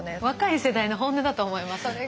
若い世代の本音だと思います。